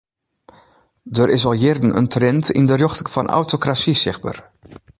Der is al jierren in trend yn de rjochting fan autokrasy sichtber.